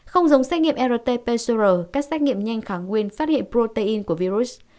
không giống xét nghiệm rt perserol các xét nghiệm nhanh kháng nguyên phát hiện protein của virus